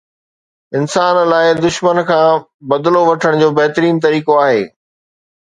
انسان لاءِ دشمن کان بدلو وٺڻ جو بهترين طريقو آهي